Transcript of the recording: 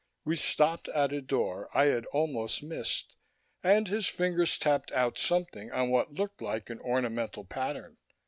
He stopped at a door I had almost missed and his fingers tapped out something on what looked like an ornamental pattern.